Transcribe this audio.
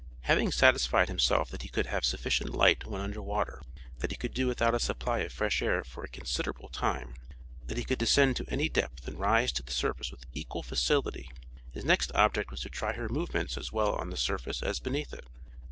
Having satisfied himself that he could have sufficient light when under water; that he could do without a supply of fresh air for a considerable time; that he could descend to any depth and rise to the surface with equal facility; his next object was to try her movements as well on the surface as beneath it.